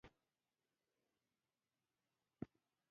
او د رڼا څاڅکي ځیني را ټولوو